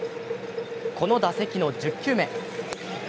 この打席の１０球目。